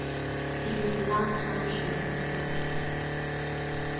"It was the last time she ever saw him."